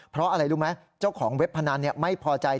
เพราะอะไรรู้ไหมเจ้าของเว็บพนันไม่พอใจ